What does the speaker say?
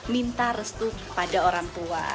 minta restu kepada orang tua